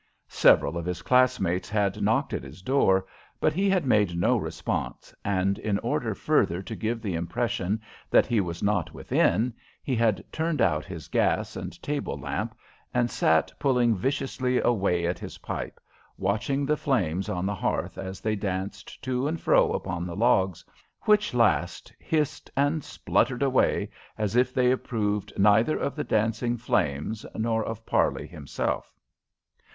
Several of his classmates had knocked at his door, but he had made no response, and in order further to give the impression that he was not within he had turned out his gas and table lamp, and sat pulling viciously away at his pipe, watching the flames on the hearth as they danced to and fro upon the logs, which last hissed and spluttered away as if they approved neither of the dancing flames nor of Parley himself.